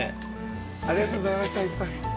ありがとうございましたいっぱい。